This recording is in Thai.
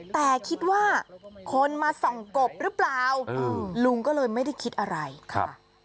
แต่คิดว่าคนมาส่องกบหรือเปล่าลุงก็เลยไม่ได้คิดอะไรค่ะ